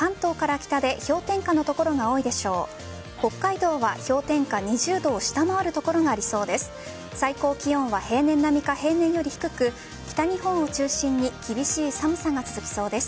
北海道は氷点下２０度を下回る所がありそうです。